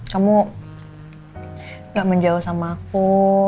kamu gak menjauh sama aku